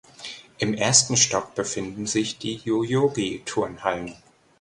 Im ersten Stock befinden sich die Yoyogi-Turnhallen.